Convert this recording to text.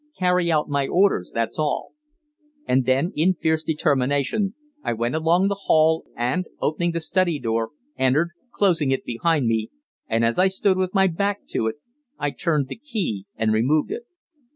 "Carry out my orders, that's all." And then, in fierce determination, I went along the hall, and, opening the study door, entered, closing it behind me, and as I stood with my back to it I turned the key and removed it.